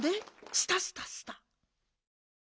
スタスタスタ。